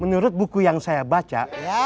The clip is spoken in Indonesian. menurut buku yang saya baca